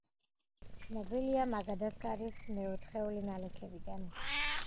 ცნობილია მადაგასკარის მეოთხეული ნალექებიდან.